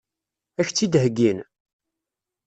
Ad k-tt-id-heggin?